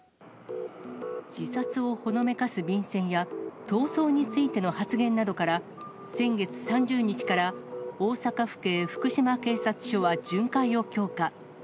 自殺をほのめかす便箋や、逃走についての発言などから、先月３０日から、大阪府警福島警察署は巡回を強化。